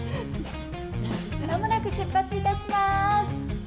まもなく出発いたします。